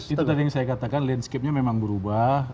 itu tadi yang saya katakan landscape nya memang berubah